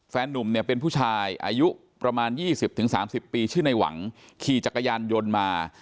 นุ่มเนี่ยเป็นผู้ชายอายุประมาณ๒๐๓๐ปีชื่อในหวังขี่จักรยานยนต์มา